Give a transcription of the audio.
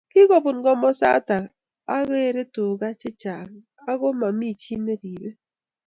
Kikubun komasata ake keree tuka che chang aki momi chi neripei